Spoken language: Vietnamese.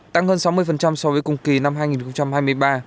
tăng hơn sáu mươi so với cùng kỳ năm hai nghìn hai mươi ba